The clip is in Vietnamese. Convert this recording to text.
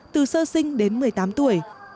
từ sơ sinh đến một mươi tám tuổi